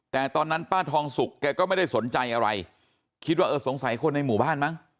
แต่ตอนนั้นป้าทองสุกแกก็ไม่ได้สนใจอะไรคิดว่าเออสงสัยคนในหมู่บ้านมั้ง